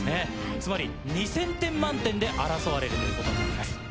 つまり２０００点満点で争われるということになります。